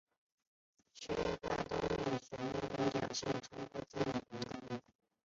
法国远东学院有两项成果最引人注目。